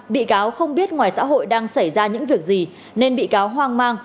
bị cáo không biết ngoài xã hội đang xảy ra những việc gì nên bị cáo hoang mang